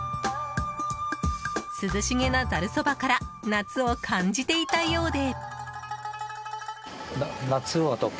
涼しげなざるそばから夏を感じていたようで。